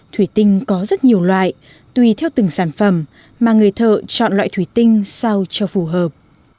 thủy tinh có rất nhiều loại tùy theo từng sản phẩm mà người thợ chọn loại thủy tinh sao cho phù hợp